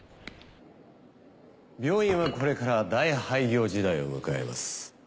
病院はこれから大廃業時代を迎えます。